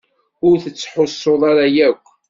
Ur tettḥussuḍ ara yakk.